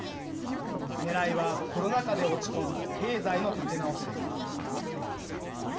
ねらいはコロナ禍で落ち込んだ経済の立て直しです。